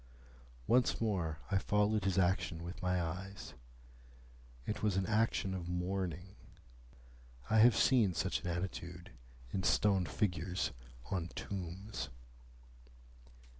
Once more I followed his action with my eyes. It was an action of mourning. I have seen such an attitude in stone figures on tombs.